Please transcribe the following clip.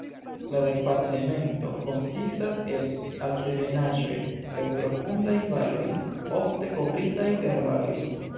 La departemento konsistas el altebenaĵoj kaj profundaj valoj ofte kovritaj de arbaroj.